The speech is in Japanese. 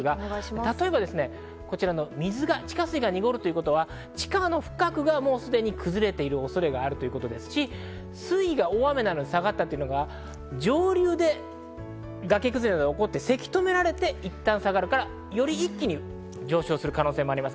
例えば地下水が濁るということは、地下の深くがすでに崩れている恐れがあるということですし、水位が下がったというのは上流でがけ崩れなどが起こって、せき止められて、いったん下がるから、より一気に上昇する可能性もあります。